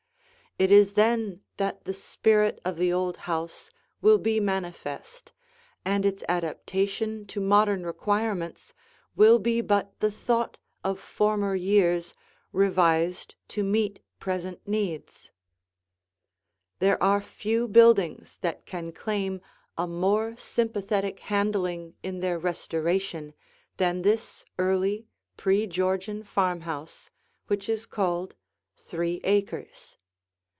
It is then that the spirit of the old house will be manifest, and its adaptation to modern requirements will be but the thought of former years revised to meet present needs. [Illustration: THREE ACRES SIDE VIEW] There are few buildings that can claim a more sympathetic handling in their restoration than this early, pre Georgian farmhouse, which is called Three Acres.